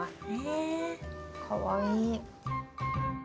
へえかわいい。